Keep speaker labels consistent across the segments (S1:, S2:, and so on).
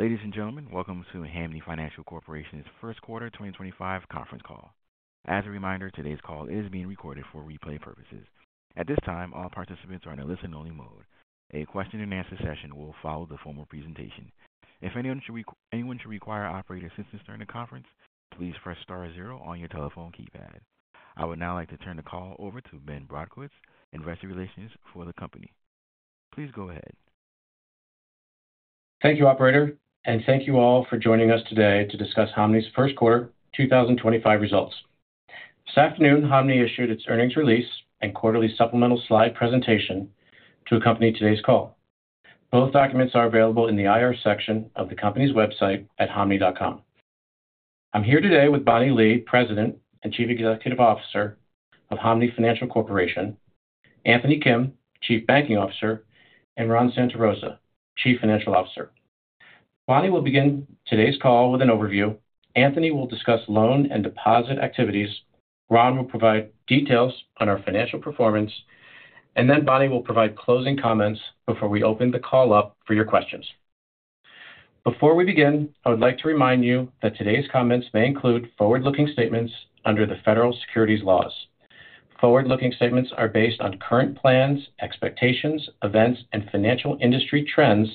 S1: Ladies and gentlemen, welcome to Hanmi Financial Corporation's first quarter 2025 conference call. As a reminder, today's call is being recorded for replay purposes. At this time, all participants are in a listen-only mode. A question-and-answer session will follow the formal presentation. If anyone should require operator assistance during the conference, please press star zero on your telephone keypad. I would now like to turn the call over to Ben Brodkowitz, investor relations for the company. Please go ahead.
S2: Thank you, Operator, and thank you all for joining us today to discuss Hanmi's first quarter 2025 results. This afternoon, Hanmi issued its earnings release and quarterly supplemental slide presentation to accompany today's call. Both documents are available in the IR section of the company's website at hanmi.com. I'm here today with Bonnie Lee, President and Chief Executive Officer of Hanmi Financial Corporation, Anthony Kim, Chief Banking Officer, and Ron Santarosa, Chief Financial Officer. Bonnie will begin today's call with an overview. Anthony will discuss loan and deposit activities. Ron will provide details on our financial performance, and then Bonnie will provide closing comments before we open the call up for your questions. Before we begin, I would like to remind you that today's comments may include forward-looking statements under the federal securities laws. Forward-looking statements are based on current plans, expectations, events, and financial industry trends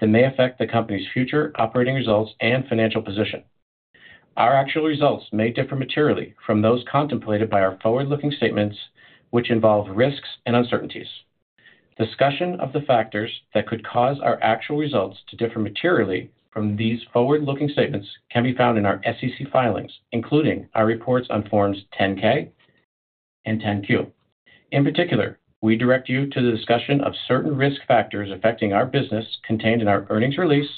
S2: that may affect the company's future operating results and financial position. Our actual results may differ materially from those contemplated by our forward-looking statements, which involve risks and uncertainties. Discussion of the factors that could cause our actual results to differ materially from these forward-looking statements can be found in our SEC filings, including our reports on Forms 10-K and 10-Q. In particular, we direct you to the discussion of certain risk factors affecting our business contained in our earnings release,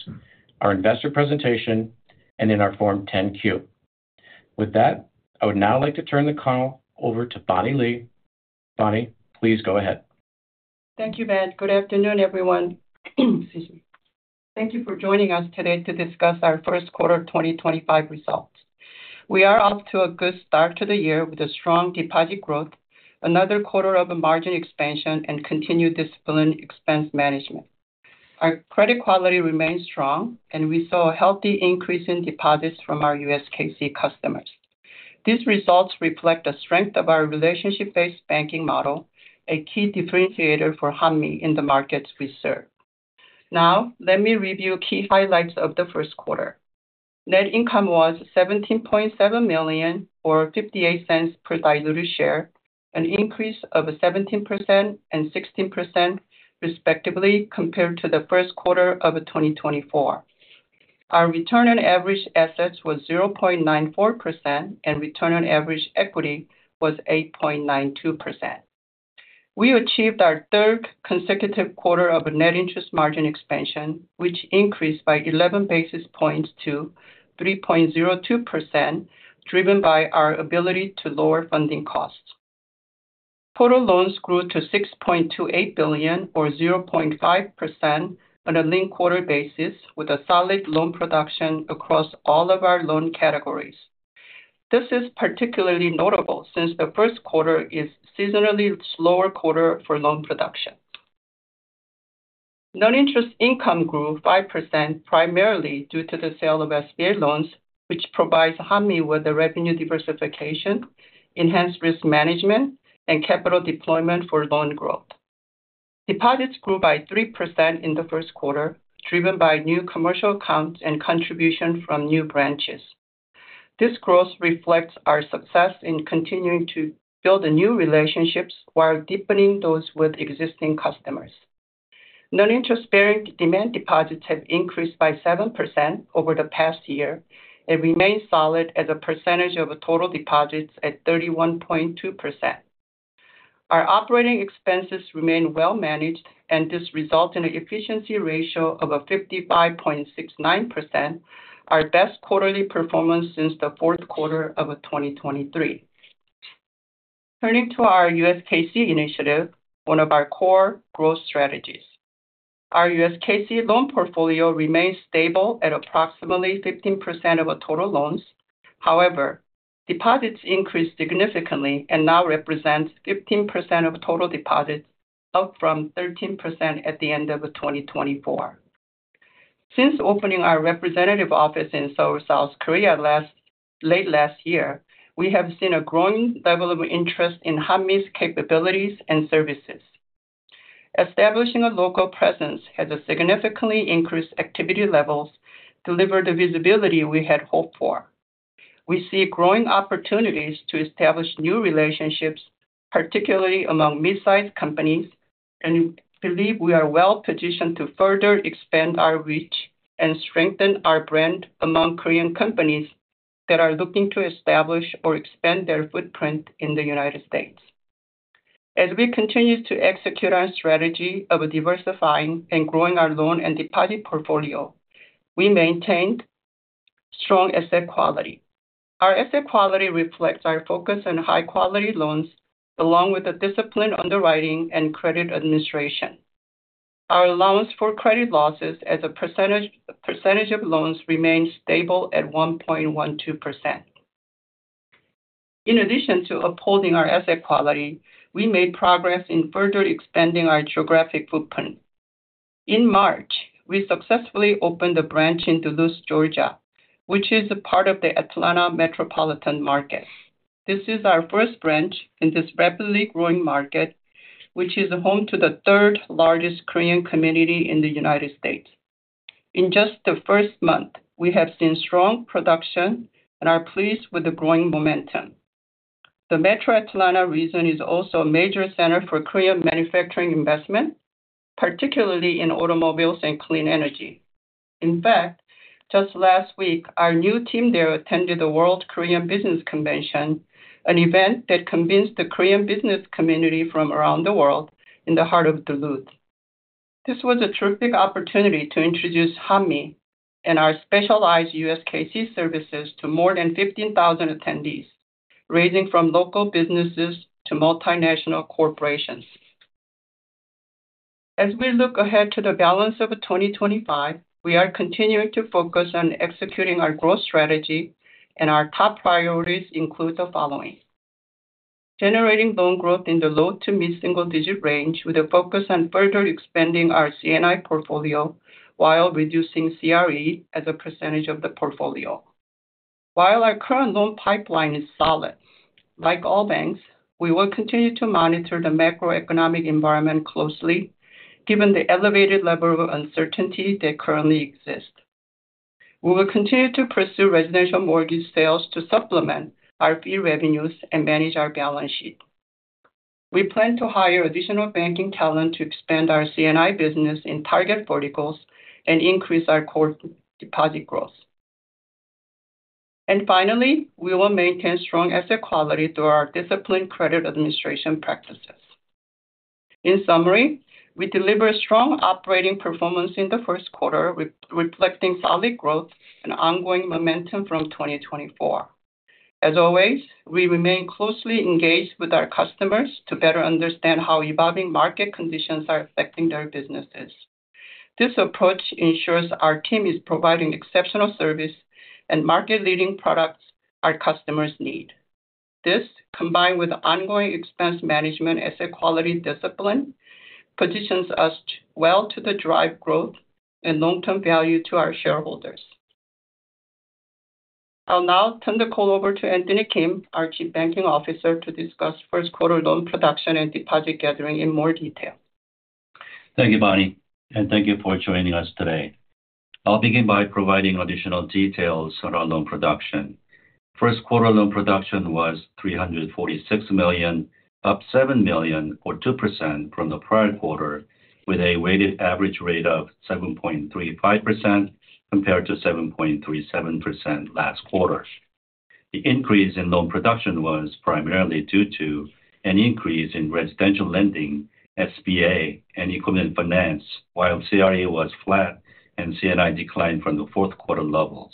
S2: our investor presentation, and in our Form 10-Q. With that, I would now like to turn the call over to Bonnie Lee. Bonnie, please go ahead.
S3: Thank you, Ben. Good afternoon, everyone. Excuse me. Thank you for joining us today to discuss our first quarter 2025 results. We are off to a good start to the year with a strong deposit growth, another quarter of a margin expansion, and continued disciplined expense management. Our credit quality remains strong, and we saw a healthy increase in deposits from our USKC customers. These results reflect the strength of our relationship-based banking model, a key differentiator for Hanmi in the markets we serve. Now, let me review key highlights of the first quarter. Net income was $17.7 million or $0.58 per diluted share, an increase of 17% and 16%, respectively, compared to the first quarter of 2024. Our return on average assets was 0.94%, and return on average equity was 8.92%. We achieved our third consecutive quarter of a net interest margin expansion, which increased by 11 bps to 3.02%, driven by our ability to lower funding costs. Total loans grew to $6.28 billion or 0.5% on a linked quarter basis, with a solid loan production across all of our loan categories. This is particularly notable since the first quarter is a seasonally slower quarter for loan production. Non-interest income grew 5%, primarily due to the sale of SBA loans, which provides Hanmi with revenue diversification, enhanced risk management, and capital deployment for loan growth. Deposits grew by 3% in the first quarter, driven by new commercial accounts and contributions from new branches. This growth reflects our success in continuing to build new relationships while deepening those with existing customers. Non-interest-bearing demand deposits have increased by 7% over the past year and remain solid as a percentage of total deposits at 31.2%. Our operating expenses remain well-managed, and this results in an efficiency ratio of 55.69%, our best quarterly performance since the fourth quarter of 2023. Turning to our USKC initiative, one of our core growth strategies, our USKC loan portfolio remains stable at approximately 15% of total loans. However, deposits increased significantly and now represent 15% of total deposits, up from 13% at the end of 2024. Since opening our representative office in Seoul, South Korea, late last year, we have seen a growing level of interest in Hanmi's capabilities and services. Establishing a local presence has significantly increased activity levels and delivered the visibility we had hoped for. We see growing opportunities to establish new relationships, particularly among mid-sized companies, and believe we are well-positioned to further expand our reach and strengthen our brand among Korean companies that are looking to establish or expand their footprint in the United States. As we continue to execute our strategy of diversifying and growing our loan and deposit portfolio, we maintained strong asset quality. Our asset quality reflects our focus on high-quality loans, along with disciplined underwriting and credit administration. Our allowance for credit losses as a percentage of loans remains stable at 1.12%. In addition to upholding our asset quality, we made progress in further expanding our geographic footprint. In March, we successfully opened a branch in Duluth, Georgia, which is a part of the Atlanta Metropolitan Market. This is our first branch in this rapidly growing market, which is home to the third-largest Korean community in the United States. In just the first month, we have seen strong production and are pleased with the growing momentum. The Metro Atlanta region is also a major center for Korean manufacturing investment, particularly in automobiles and clean energy. In fact, just last week, our new team there attended the World Korean Business Convention, an event that convened the Korean business community from around the world in the heart of Duluth. This was a terrific opportunity to introduce Hanmi and our specialized USKC services to more than 15,000 attendees, ranging from local businesses to multinational corporations. As we look ahead to the balance of 2025, we are continuing to focus on executing our growth strategy, and our top priorities include the following: generating loan growth in the low to mid-single-digit range with a focus on further expanding our C&I portfolio while reducing CRE as a percentage of the portfolio. While our current loan pipeline is solid, like all banks, we will continue to monitor the macroeconomic environment closely, given the elevated level of uncertainty that currently exists. We will continue to pursue residential mortgage sales to supplement our fee revenues and manage our balance sheet. We plan to hire additional banking talent to expand our C&I business in target verticals and increase our core deposit growth. We will maintain strong asset quality through our disciplined credit administration practices. In summary, we deliver strong operating performance in the first quarter, reflecting solid growth and ongoing momentum from 2024. As always, we remain closely engaged with our customers to better understand how evolving market conditions are affecting their businesses. This approach ensures our team is providing exceptional service and market-leading products our customers need. This, combined with ongoing expense management, asset quality discipline, positions us well to drive growth and long-term value to our shareholders. I'll now turn the call over to Anthony Kim, our Chief Banking Officer, to discuss first-quarter loan production and deposit gathering in more detail.
S4: Thank you, Bonnie, and thank you for joining us today. I'll begin by providing additional details on our loan production. First-quarter loan production was $346 million, up $7 million, or 2% from the prior quarter, with a weighted average rate of 7.35% compared to 7.37% last quarter. The increase in loan production was primarily due to an increase in residential lending, SBA, and equipment finance, while CRE was flat and C&I declined from the fourth-quarter levels.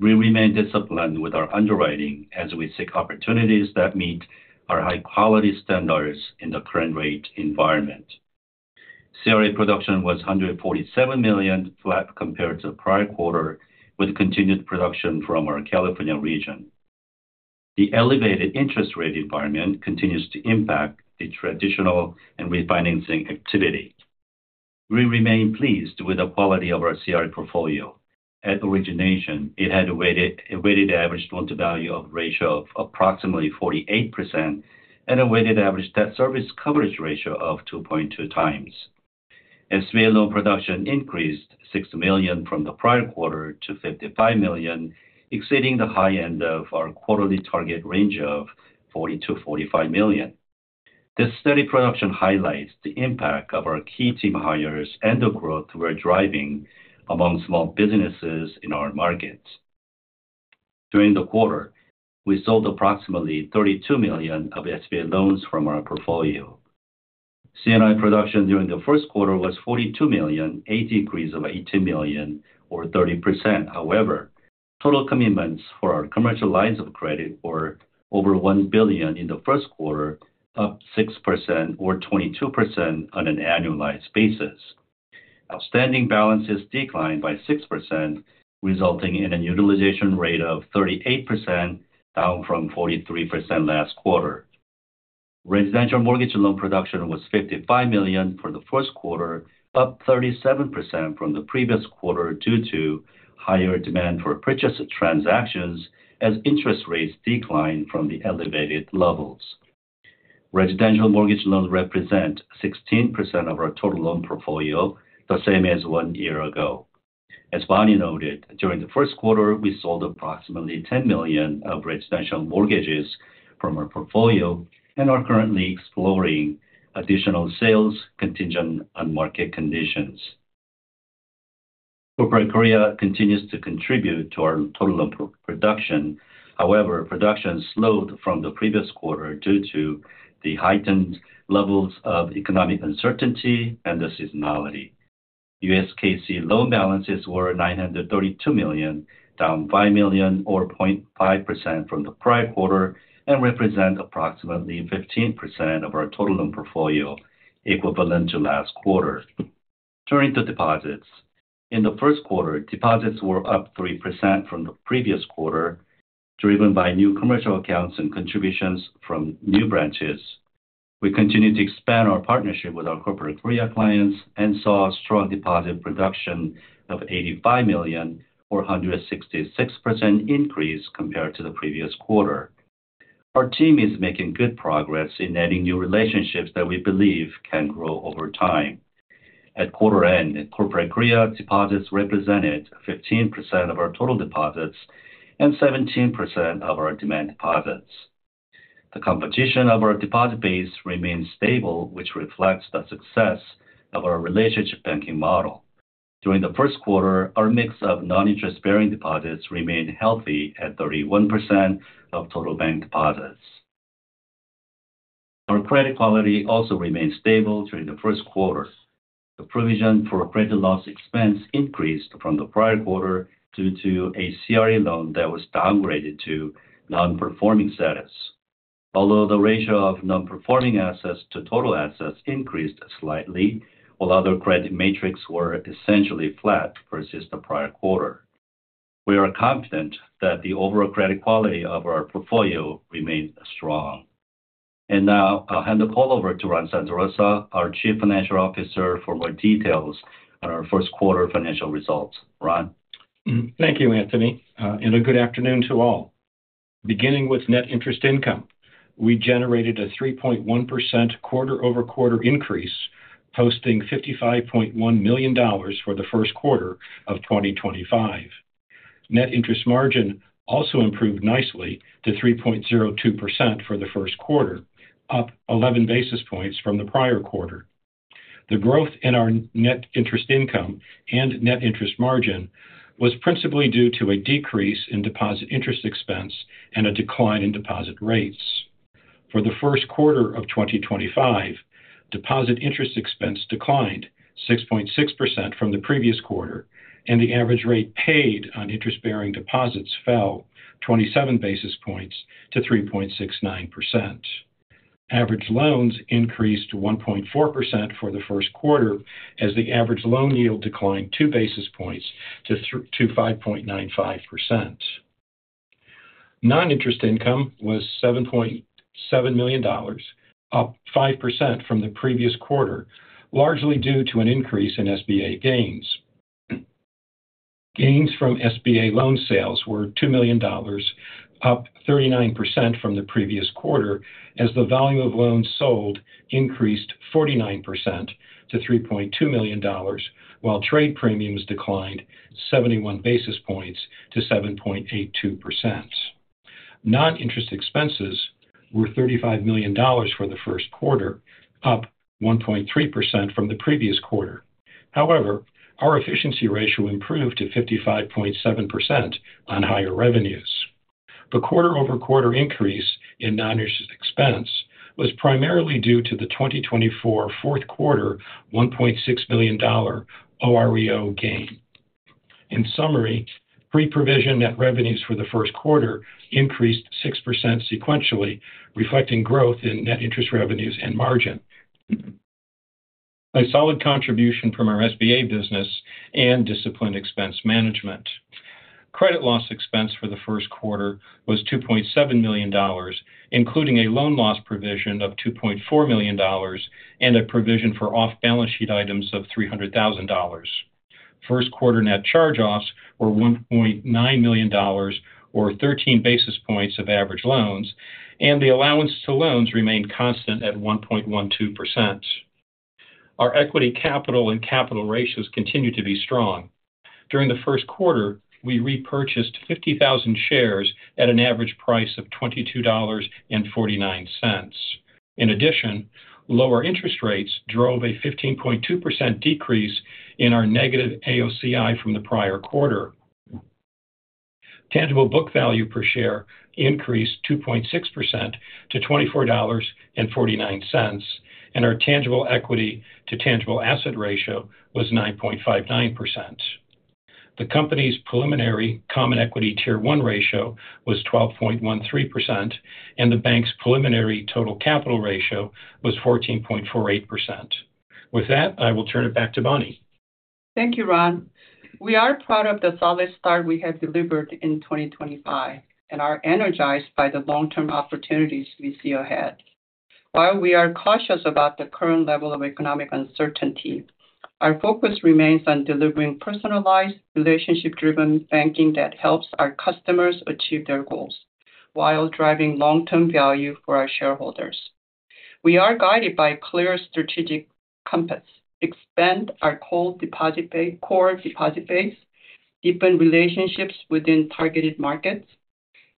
S4: We remain disciplined with our underwriting as we seek opportunities that meet our high-quality standards in the current rate environment. CRE production was $147 million, flat compared to the prior quarter, with continued production from our California region. The elevated interest rate environment continues to impact the traditional and refinancing activity. We remain pleased with the quality of our CRE portfolio. At origination, it had a weighted average loan-to-value ratio of approximately 48% and a weighted average debt service coverage ratio of 2.2 times. SBA loan production increased $6 million from the prior quarter to $55 million, exceeding the high end of our quarterly target range of $40-$45 million. This steady production highlights the impact of our key team hires and the growth we're driving among small businesses in our markets. During the quarter, we sold approximately $32 million of SBA loans from our portfolio. C&I production during the first quarter was $42 million, a decrease of $18 million, or 30%. However, total commitments for our commercial lines of credit were over $1 billion in the first quarter, up 6%, or 22% on an annualized basis. Outstanding balances declined by 6%, resulting in a utilization rate of 38%, down from 43% last quarter. Residential mortgage loan production was $55 million for the first quarter, up 37% from the previous quarter due to higher demand for purchase transactions as interest rates declined from the elevated levels. Residential mortgage loans represent 16% of our total loan portfolio, the same as one year ago. As Bonnie noted, during the first quarter, we sold approximately $10 million of residential mortgages from our portfolio and are currently exploring additional sales contingent on market conditions. Corporate Korea continues to contribute to our total loan production. However, production slowed from the previous quarter due to the heightened levels of economic uncertainty and the seasonality. USKC loan balances were $932 million, down $5 million, or 0.5% from the prior quarter, and represent approximately 15% of our total loan portfolio, equivalent to last quarter. Turning to deposits, in the first quarter, deposits were up 3% from the previous quarter, driven by new commercial accounts and contributions from new branches. We continue to expand our partnership with our Corporate Korea clients and saw a strong deposit production of $85 million, or 166% increase compared to the previous quarter. Our team is making good progress in adding new relationships that we believe can grow over time. At quarter end, Corporate Korea deposits represented 15% of our total deposits and 17% of our demand deposits. The composition of our deposit base remains stable, which reflects the success of our relationship banking model. During the first quarter, our mix of non-interest-bearing deposits remained healthy at 31% of total bank deposits. Our credit quality also remained stable during the first quarter. The provision for credit loss expense increased from the prior quarter due to a CRE loan that was downgraded to non-performing status. Although the ratio of non-performing assets to total assets increased slightly, while other credit metrics were essentially flat versus the prior quarter, we are confident that the overall credit quality of our portfolio remains strong. I will hand the call over to Ron Santarosa, our Chief Financial Officer, for more details on our first-quarter financial results. Ron?
S5: Thank you, Anthony, and a good afternoon to all. Beginning with net interest income, we generated a 3.1% quarter-over-quarter increase, posting $55.1 million for the first quarter of 2025. Net interest margin also improved nicely to 3.02% for the first quarter, up 11 bps from the prior quarter. The growth in our net interest income and net interest margin was principally due to a decrease in deposit interest expense and a decline in deposit rates. For the first quarter of 2025, deposit interest expense declined 6.6% from the previous quarter, and the average rate paid on interest-bearing deposits fell 27 bps to 3.69%. Average loans increased 1.4% for the first quarter as the average loan yield declined 2 bps to 5.95%. Non-interest income was $7.7 million, up 5% from the previous quarter, largely due to an increase in SBA gains. Gains from SBA loan sales were $2 million, up 39% from the previous quarter, as the volume of loans sold increased 49% to $3.2 million, while trade premiums declined 71 bps to 7.82%. Non-interest expenses were $35 million for the first quarter, up 1.3% from the previous quarter. However, our efficiency ratio improved to 55.7% on higher revenues. The quarter-over-quarter increase in non-interest expense was primarily due to the 2024 fourth quarter $1.6 million OREO gain. In summary, pre-provision net revenues for the first quarter increased 6% sequentially, reflecting growth in net interest revenues and margin. A solid contribution from our SBA business and disciplined expense management. Credit loss expense for the first quarter was $2.7 million, including a loan loss provision of $2.4 million and a provision for off-balance sheet items of $300,000. First-quarter net charge-offs were $1.9 million, or 13 bps of average loans, and the allowance to loans remained constant at 1.12%. Our equity capital and capital ratios continued to be strong. During the first quarter, we repurchased 50,000 shares at an average price of $22.49. In addition, lower interest rates drove a 15.2% decrease in our negative AOCI from the prior quarter. Tangible book value per share increased 2.6% to $24.49, and our tangible equity to tangible asset ratio was 9.59%. The company's preliminary common equity tier one ratio was 12.13%, and the bank's preliminary total capital ratio was 14.48%. With that, I will turn it back to Bonnie.
S3: Thank you, Ron. We are proud of the solid start we have delivered in 2025, and are energized by the long-term opportunities we see ahead. While we are cautious about the current level of economic uncertainty, our focus remains on delivering personalized, relationship-driven banking that helps our customers achieve their goals while driving long-term value for our shareholders. We are guided by a clear strategic compass: expand our core deposit base, deepen relationships within targeted markets,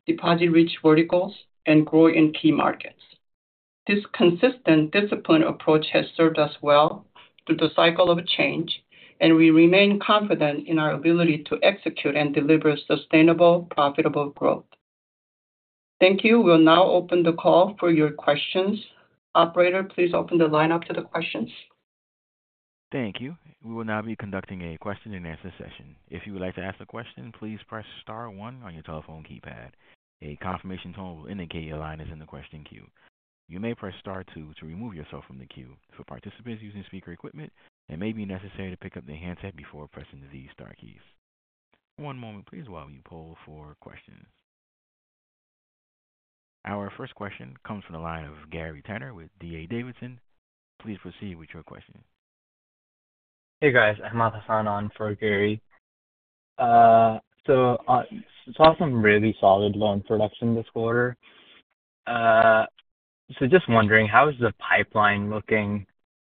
S3: deposit-rich verticals, and grow in key markets. This consistent, disciplined approach has served us well through the cycle of change, and we remain confident in our ability to execute and deliver sustainable, profitable growth. Thank you. We'll now open the call for your questions. Operator, please open the line up to the questions.
S1: Thank you. We will now be conducting a question-and-answer session. If you would like to ask a question, please press star one on your telephone keypad. A confirmation tone will indicate your line is in the question queue. You may press star two to remove yourself from the queue. For participants using speaker equipment, it may be necessary to pick up the handset before pressing these star keys. One moment, please, while we poll for questions. Our first question comes from the line of Gary Tenner with DA Davidson. Please proceed with your question. Hey, guys. I'm Matt standing in for Gary. We saw some really solid loan production this quarter. Just wondering, how is the pipeline looking,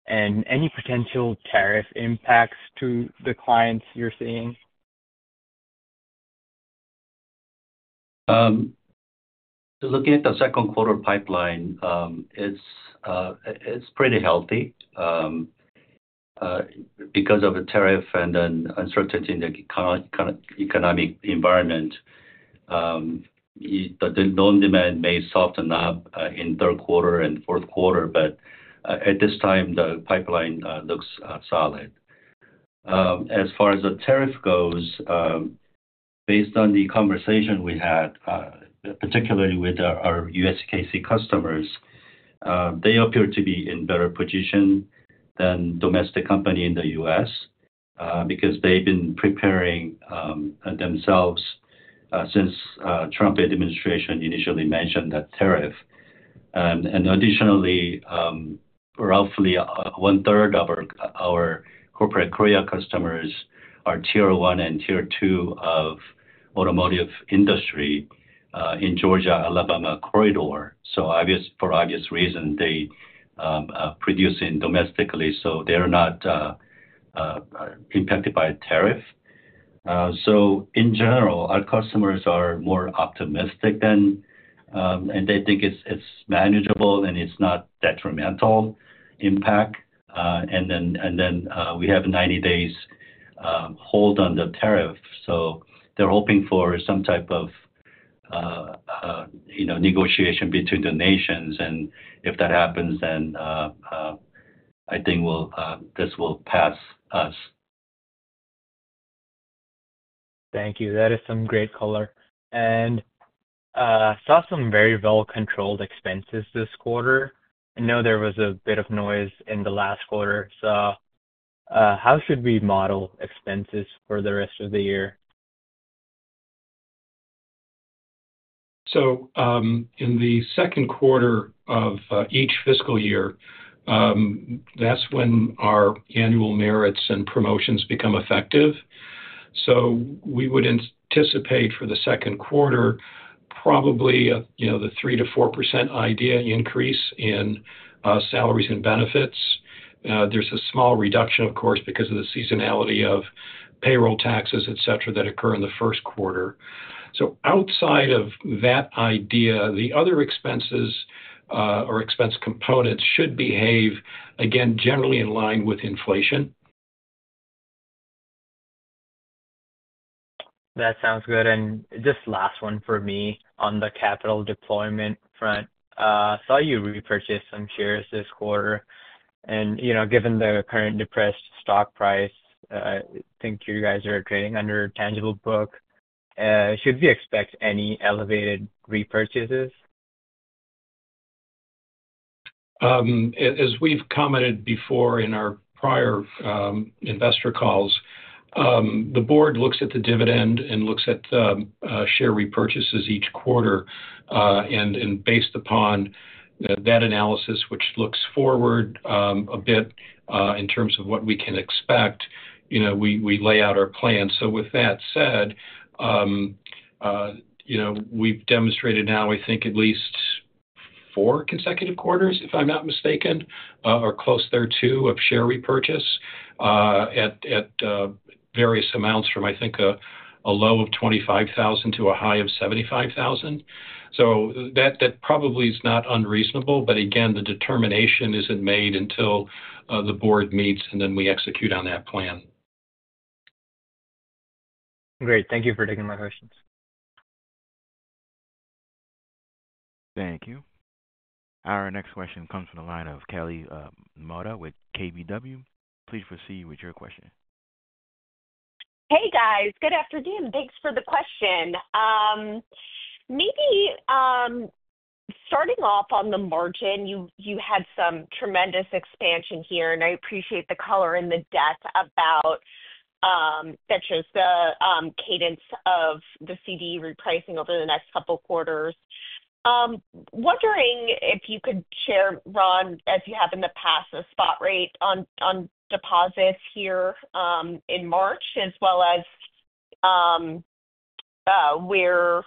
S1: and any potential tariff impacts to the clients you're seeing?
S4: Looking at the second-quarter pipeline, it's pretty healthy. Because of the tariff and the uncertainty in the economic environment, the loan demand may soften up in third quarter and fourth quarter, but at this time, the pipeline looks solid. As far as the tariff goes, based on the conversation we had, particularly with our USKC customers, they appear to be in a better position than domestic companies in the U.S. because they've been preparing themselves since the Trump administration initially mentioned that tariff. Additionally, roughly one-third of our Corporate Korea customers are tier one and tier two of the automotive industry in the Georgia-Alabama corridor. For obvious reasons, they are producing domestically, so they are not impacted by tariff. In general, our customers are more optimistic, and they think it's manageable and it's not a detrimental impact. We have a 90-day hold on the tariff, so they're hoping for some type of negotiation between the nations. If that happens, then I think this will pass us. Thank you. That is some great color. I saw some very well-controlled expenses this quarter. I know there was a bit of noise in the last quarter. How should we model expenses for the rest of the year?
S5: In the second quarter of each fiscal year, that's when our annual merits and promotions become effective. We would anticipate for the second quarter probably the 3% to 4% idea increase in salaries and benefits. There's a small reduction, of course, because of the seasonality of payroll taxes, etc., that occur in the first quarter. Outside of that idea, the other expenses or expense components should behave, again, generally in line with inflation. That sounds good. Just last one for me on the capital deployment front. I saw you repurchase some shares this quarter. Given the current depressed stock price, I think you guys are trading under a tangible book. Should we expect any elevated repurchases? As we've commented before in our prior investor calls, the board looks at the dividend and looks at share repurchases each quarter. Based upon that analysis, which looks forward a bit in terms of what we can expect, we lay out our plan. With that said, we've demonstrated now, I think, at least four consecutive quarters, if I'm not mistaken, or close thereto, of share repurchase at various amounts from, I think, a low of 25,000 to a high of 75,000. That probably is not unreasonable, but again, the determination isn't made until the board meets, and then we execute on that plan. Great. Thank you for taking my questions.
S1: Thank you. Our next question comes from the line of Kelly Motta with KBW. Please proceed with your question.
S6: Hey, guys. Good afternoon. Thanks for the question. Maybe starting off on the margin, you had some tremendous expansion here, and I appreciate the color and the depth that shows the cadence of the CD repricing over the next couple of quarters. Wondering if you could share, Ron, as you have in the past, a spot rate on deposits here in March, as well as where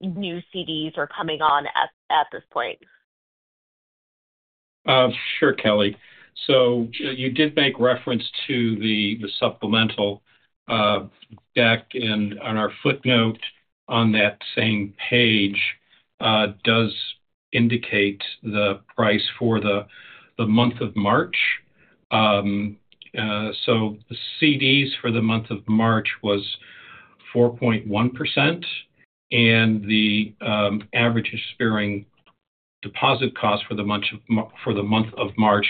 S6: new CDs are coming on at this point.
S5: Sure, Kelly. You did make reference to the supplemental deck, and our footnote on that same page does indicate the price for the month of March. The CDs for the month of March was 4.1%, and the average interest-bearing deposit cost for the month of March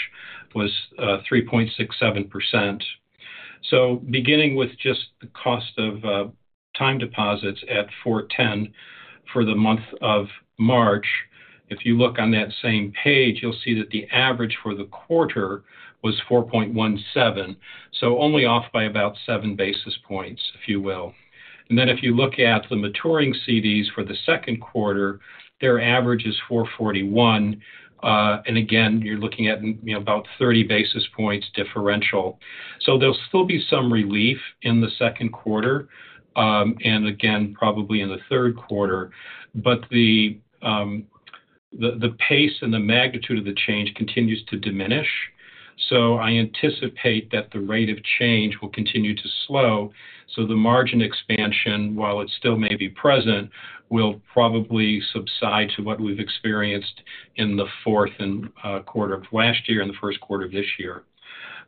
S5: was 3.67%. Beginning with just the cost of time deposits at 4.10% for the month of March, if you look on that same page, you'll see that the average for the quarter was 4.17%, so only off by about seven bps, if you will. If you look at the maturing CDs for the second quarter, their average is 4.41%. Again, you're looking at about 30 bps differential. There will still be some relief in the second quarter and, again, probably in the third quarter. The pace and the magnitude of the change continues to diminish. I anticipate that the rate of change will continue to slow. The margin expansion, while it still may be present, will probably subside to what we've experienced in the fourth quarter of last year and the first quarter of this year.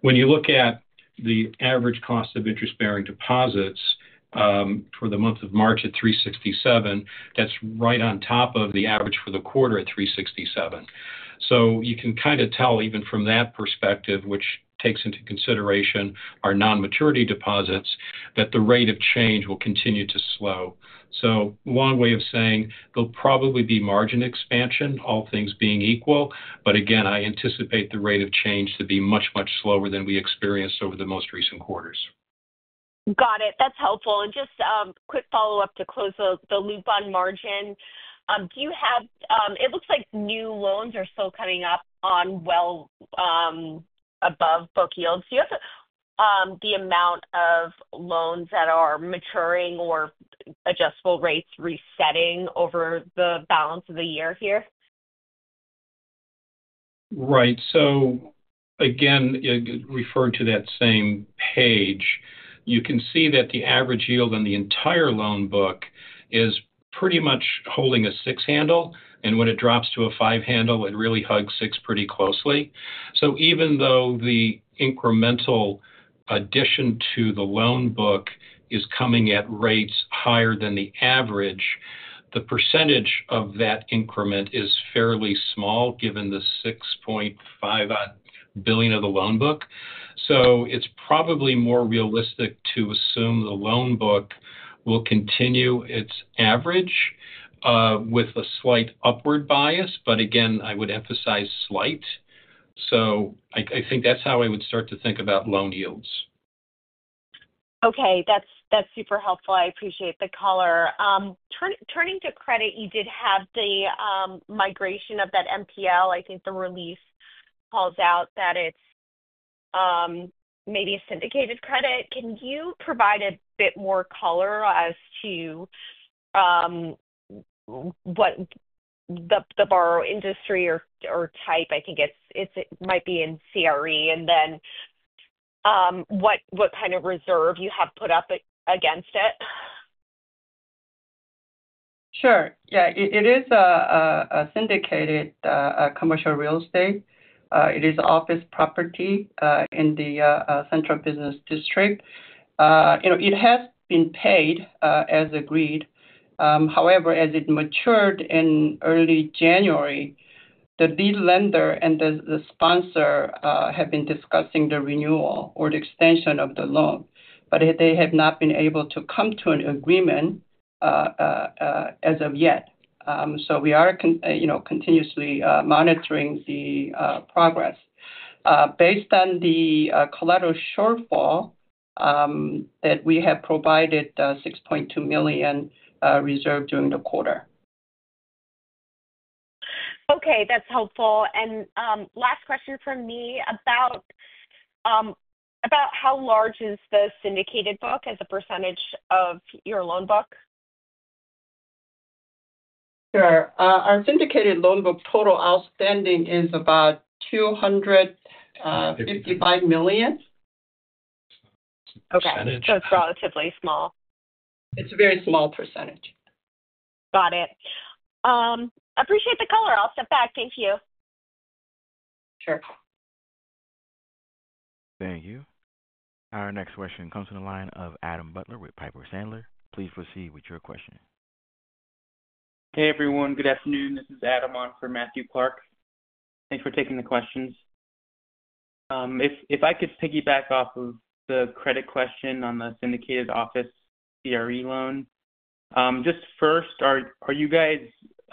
S5: When you look at the average cost of interest-bearing deposits for the month of March at 3.67, that's right on top of the average for the quarter at 3.67. You can kind of tell even from that perspective, which takes into consideration our non-maturity deposits, that the rate of change will continue to slow. One way of saying there'll probably be margin expansion, all things being equal. Again, I anticipate the rate of change to be much, much slower than we experienced over the most recent quarters.
S6: Got it. That's helpful. Just a quick follow-up to close the loop on margin. Do you have, it looks like new loans are still coming up on well above book yields. Do you have the amount of loans that are maturing or adjustable rates resetting over the balance of the year here?
S5: Right. Again, referring to that same page, you can see that the average yield on the entire loan book is pretty much holding a six handle. When it drops to a five handle, it really hugs six pretty closely. Even though the incremental addition to the loan book is coming at rates higher than the average, the percentage of that increment is fairly small given the $6.5 billion of the loan book. It is probably more realistic to assume the loan book will continue its average with a slight upward bias. Again, I would emphasize slight. I think that is how I would start to think about loan yields.
S6: Okay. That's super helpful. I appreciate the color. Turning to credit, you did have the migration of that NPL. I think the release calls out that it's maybe a syndicated credit. Can you provide a bit more color as to what the borrower industry or type? I think it might be in CRE. And then what kind of reserve you have put up against it?
S3: Sure. Yeah. It is a syndicated commercial real estate. It is office property in the central business district. It has been paid as agreed. However, as it matured in early January, the lender and the sponsor have been discussing the renewal or the extension of the loan, but they have not been able to come to an agreement as of yet. We are continuously monitoring the progress based on the collateral shortfall that we have provided $6.2 million reserved during the quarter.
S6: Okay. That's helpful. Last question from me about how large is the syndicated book as a percentage of your loan book?
S3: Sure. Our syndicated loan book total outstanding is about $255 million.
S6: Okay. So it's relatively small.
S3: It's a very small percentage.
S6: Got it. Appreciate the color. I'll step back. Thank you.
S3: Sure.
S1: Thank you. Our next question comes from the line of Adam Butler with Piper Sandler. Please proceed with your question.
S7: Hey, everyone. Good afternoon. This is Adam on for Matthew Clark. Thanks for taking the questions. If I could piggyback off of the credit question on the syndicated office CRE loan, just first, where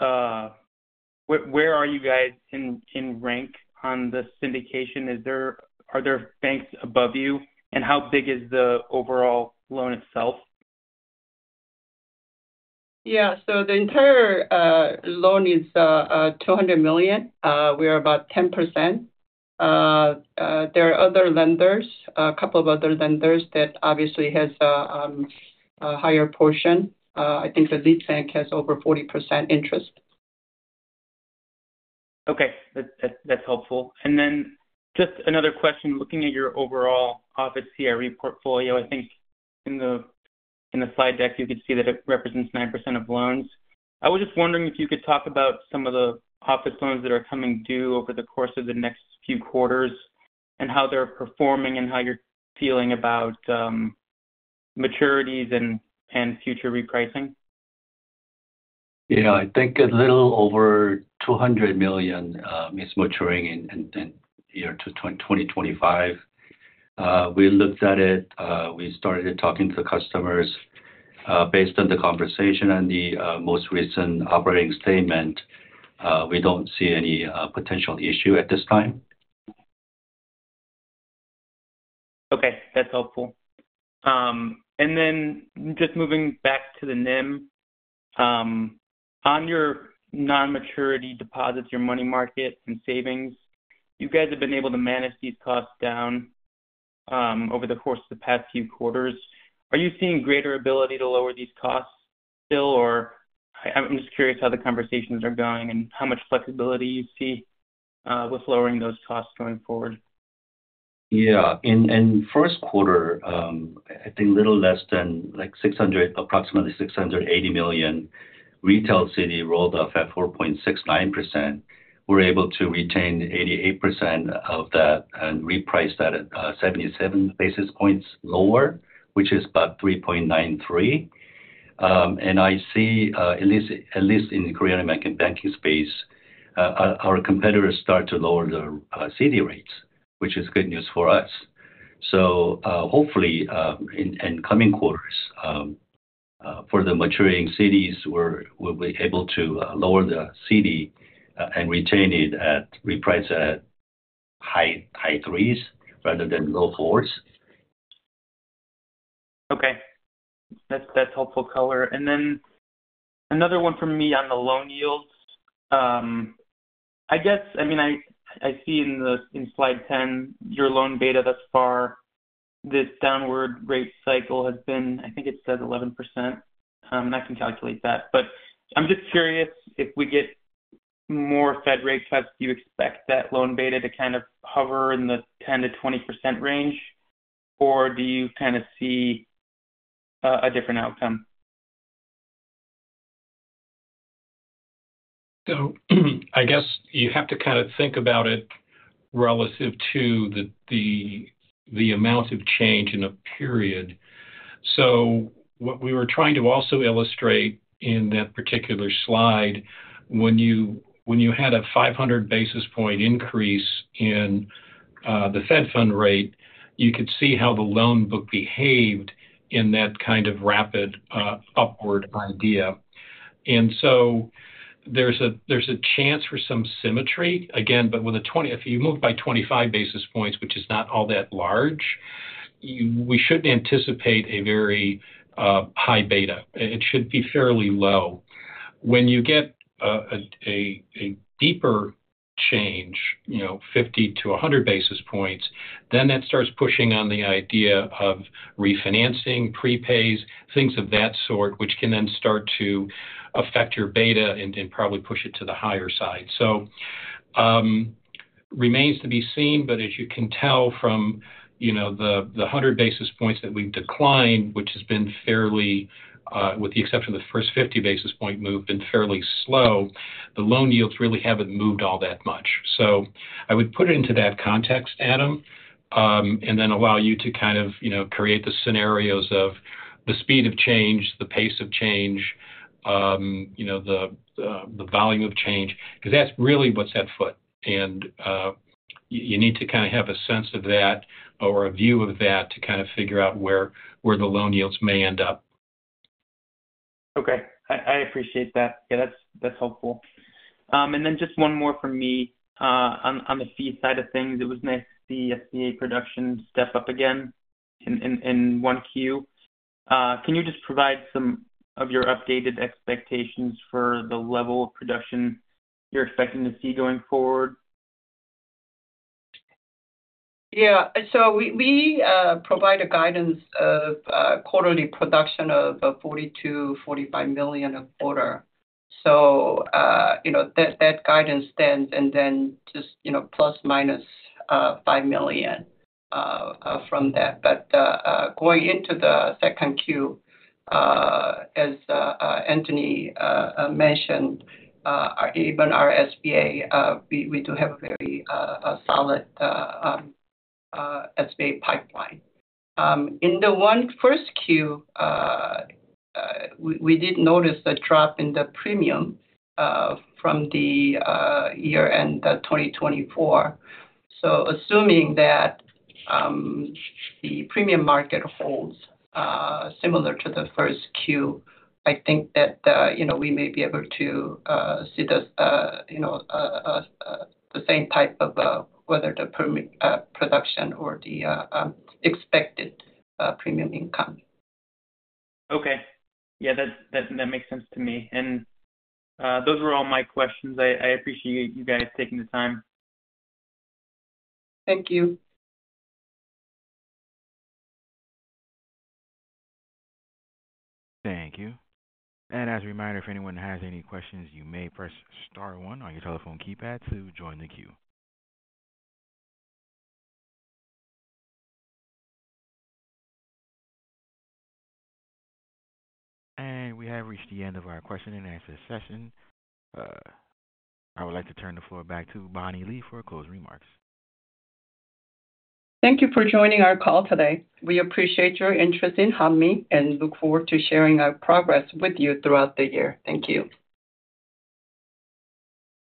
S7: are you guys in rank on the syndication? Are there banks above you? And how big is the overall loan itself?
S3: Yeah. The entire loan is $200 million. We are about 10%. There are other lenders, a couple of other lenders that obviously have a higher portion. I think the lead bank has over 40% interest.
S7: Okay. That's helpful. Then just another question. Looking at your overall office CRE portfolio, I think in the slide deck, you could see that it represents 9% of loans. I was just wondering if you could talk about some of the office loans that are coming due over the course of the next few quarters and how they're performing and how you're feeling about maturities and future repricing.
S4: Yeah. I think a little over $200 million is maturing in year 2025. We looked at it. We started talking to customers. Based on the conversation and the most recent operating statement, we do not see any potential issue at this time.
S7: Okay. That's helpful. Just moving back to the NIM, on your non-maturity deposits, your money market, and savings, you guys have been able to manage these costs down over the course of the past few quarters. Are you seeing greater ability to lower these costs still? I'm just curious how the conversations are going and how much flexibility you see with lowering those costs going forward.
S4: Yeah. In first quarter, I think a little less than approximately $680 million, retail CD rolled up at 4.69%. We're able to retain 88% of that and reprice that at 77 bps lower, which is about 3.93%. I see, at least in the Korean American banking space, our competitors start to lower their CD rates, which is good news for us. Hopefully, in coming quarters, for the maturing CDs, we'll be able to lower the CD and retain it at reprice at high threes rather than low fours.
S7: Okay. That's helpful color. I mean, I see in Slide 10, your loan beta thus far, this downward rate cycle has been, I think it said 11%. I can calculate that. I'm just curious if we get more Fed rate cuts, do you expect that loan beta to kind of hover in the 10%-20% range, or do you kind of see a different outcome?
S5: I guess you have to kind of think about it relative to the amount of change in a period. What we were trying to also illustrate in that particular slide, when you had a 500 bp increase in the Fed funds rate, you could see how the loan book behaved in that kind of rapid upward idea. There is a chance for some symmetry again, but if you move by 25 bps, which is not all that large, we should not anticipate a very high beta. It should be fairly low. When you get a deeper change, 50 bps to 100 bps, then that starts pushing on the idea of refinancing, prepays, things of that sort, which can then start to affect your beta and probably push it to the higher side. Remains to be seen. As you can tell from the 100 bps that we've declined, which has been, with the exception of the first 50 bp move, been fairly slow, the loan yields really haven't moved all that much. I would put it into that context, Adam, and then allow you to kind of create the scenarios of the speed of change, the pace of change, the volume of change, because that's really what's at foot. You need to kind of have a sense of that or a view of that to kind of figure out where the loan yields may end up.
S7: Okay. I appreciate that. Yeah, that's helpful. And then just one more from me. On the fee side of things, it was nice to see SBA production step up again in one Q. Can you just provide some of your updated expectations for the level of production you're expecting to see going forward?
S3: Yeah. We provide a guidance of quarterly production of $42 million, $45 million a quarter. That guidance stands, and then just plus minus $5 million from that. Going into the second quarter, as Anthony mentioned, even our SBA, we do have a very solid SBA pipeline. In the first quarter, we did notice a drop in the premium from the year-end 2024. Assuming that the premium market holds similar to the first quarter, I think that we may be able to see the same type of, whether the production or the expected premium income.
S7: Okay. Yeah, that makes sense to me. Those were all my questions. I appreciate you guys taking the time.
S3: Thank you.
S1: Thank you. As a reminder, if anyone has any questions, you may press star one on your telephone keypad to join the queue. We have reached the end of our question and answer session. I would like to turn the floor back to Bonnie Lee for closing remarks.
S3: Thank you for joining our call today. We appreciate your interest in Hanmi and look forward to sharing our progress with you throughout the year. Thank you.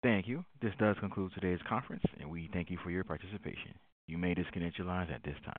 S1: Thank you. This does conclude today's conference, and we thank you for your participation. You may disconnect your lines at this time.